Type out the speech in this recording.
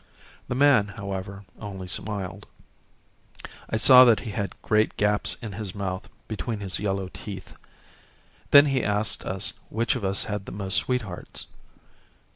The man, however, only smiled. I saw that he had great gaps in his mouth between his yellow teeth. Then he asked us which of us had the most sweethearts.